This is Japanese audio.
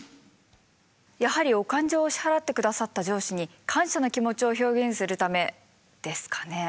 やはりお勘定を支払ってくださった上司に感謝の気持ちを表現するためですかね。